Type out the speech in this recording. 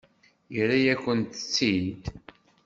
Yerra-yakent-tt-id?